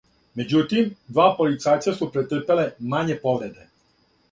Међутим, два полицајца су претрпела мање повреде.